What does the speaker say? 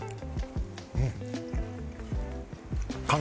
うん。